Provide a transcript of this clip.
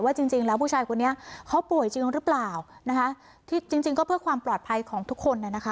จริงจริงแล้วผู้ชายคนนี้เขาป่วยจริงหรือเปล่านะคะที่จริงจริงก็เพื่อความปลอดภัยของทุกคนน่ะนะคะ